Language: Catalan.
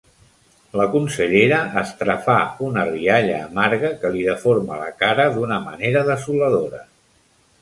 La consellera estrafà una rialla amarga que li deforma la cara d'una manera desoladora.